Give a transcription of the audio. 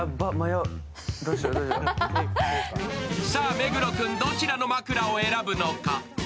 さあ、目黒君どちらの枕を選ぶのか？